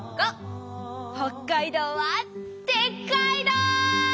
北海道はでっかいど！